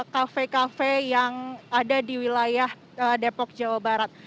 kafe kafe yang ada di wilayah depok jawa barat